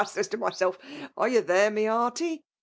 So, says I to myself — 'Are ye there, my hearty